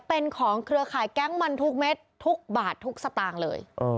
เป็นของเครือข่ายแก๊งมันทุกเม็ดทุกบาททุกสตางค์เลย